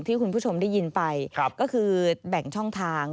ที่คุณผู้ชมได้ยินไปก็คือแบ่งช่องทาง